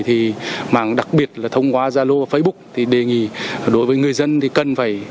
thì mạng đặc biệt là thông qua gia lô facebook thì đề nghị đối với người dân thì cần phải